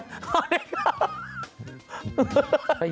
สวัสดีครับ